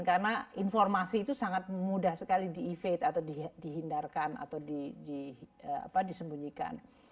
karena informasi itu sangat mudah sekali di evade atau dihindarkan atau disembunyikan